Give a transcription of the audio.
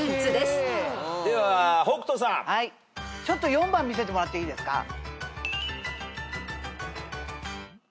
ちょっと４番見せてもらっていいですか？